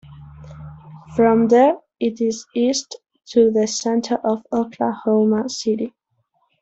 From there it is east to the center of Oklahoma City.